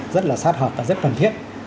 rất là sát hợp và rất cần thiết